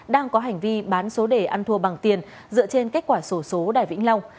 đang có hành vi bán số đề ăn thua bằng tiền dựa trên kết quả sổ số đài vĩnh long